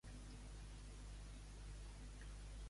L'estreta costa puja ràpidament a l'interior a muntanyes elevades.